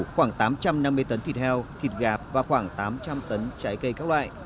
khoảng tám trăm năm mươi tấn thịt heo thịt gà và khoảng tám trăm linh tấn trái cây các loại